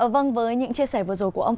vâng với những chia sẻ vừa rồi của ông